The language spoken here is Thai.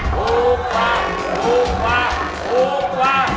ถูกกว่า